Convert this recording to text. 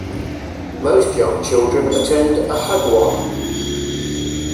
Most young children attend a hagwon.